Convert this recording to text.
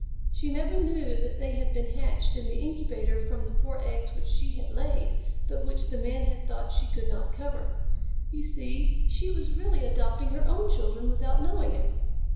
She never knew that they had been hatched in the incubator from the four eggs which she had laid, but which the Man had thought she could not cover. You see she was really adopting her own children without knowing it.